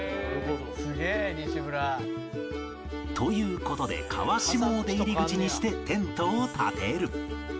「すげえ西村」という事で川下を出入り口にしてテントを立てる